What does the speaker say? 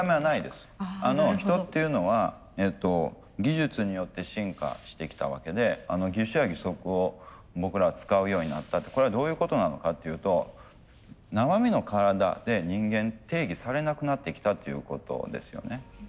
人っていうのは技術によって進化してきたわけで義手や義足を僕らが使うようになったってこれはどういうことなのかっていうと生身の体で人間定義されなくなってきたっていうことですよね。